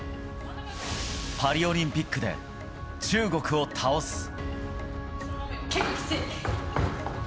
パリオリンピックで、中国を結構、きつい。